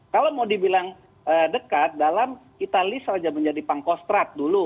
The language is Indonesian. kalau mau dibilang dekat dalam kita list saja menjadi pangkostrat dulu